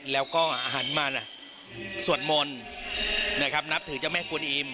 แล้วก็หันมานะสวดมนต์นะครับนับถึงจะไม่ควรอิ่ม